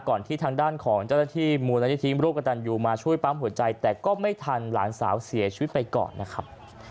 ที่ทางด้านของเจ้าหน้าที่มูลนิธิร่วมกับตันยูมาช่วยปั๊มหัวใจแต่ก็ไม่ทันหลานสาวเสียชีวิตไปก่อนนะครับ